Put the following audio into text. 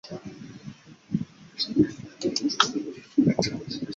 圣普列斯特人口变化图示